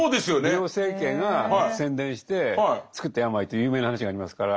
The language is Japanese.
美容整形が宣伝してつくった病という有名な話がありますから。